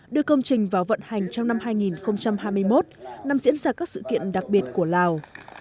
đưa công trình vào vận hành trong năm hai nghìn hai mươi một năm diễn ra các sự kiện đặc biệt của lào